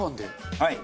はい！